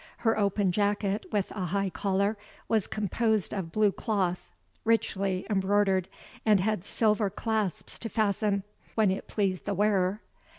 Her open jacket, with a high collar, was composed of blue cloth, richly embroidered, and had silver clasps to fasten, when it pleased the wearer.